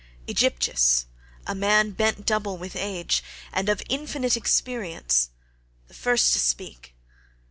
Aegyptius, a man bent double with age, and of infinite experience, was the first to speak.